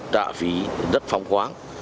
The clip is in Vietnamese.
trả phí rất phong khoáng